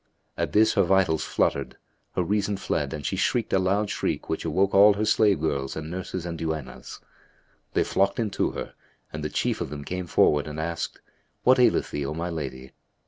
At this her vitals fluttered, her reason fled and she shrieked a loud shriek which awoke all her slave girls and nurses and duennas. They flocked in to her; and the chief of them came forward and asked, "What aileth thee, O my lady?"